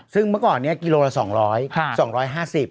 ซึ่งเมื่อก่อนกิโลประมาณ๒๐๐๒๕๐บาท